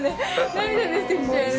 涙出てきちゃうね